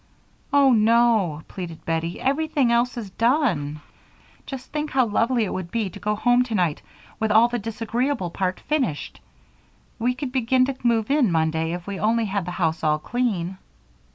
"Oh, no," pleaded Bettie. "Everything else is done. Just think how lovely it would be to go home tonight with all the disagreeable part finished! We could begin to move in Monday if we only had the house all clean."